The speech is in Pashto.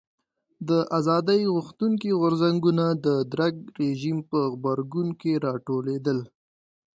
ازادي غوښتونکي غورځنګونه د درګ رژیم په غبرګون کې راوټوکېدل.